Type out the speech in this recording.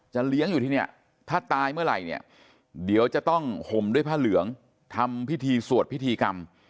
เลี้ยงอยู่ที่เนี่ยถ้าตายเมื่อไหร่เนี่ยเดี๋ยวจะต้องห่มด้วยผ้าเหลืองทำพิธีสวดพิธีกรรม